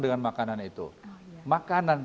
dengan makanan itu makanan